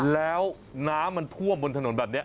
แล้วน้ำมันท่วมบนถนนแบบนี้